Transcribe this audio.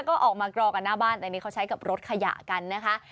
ก็ออกมากรอกันหน้าบ้านแต่นี่เขาใช้กับรถขยะกันนะคะ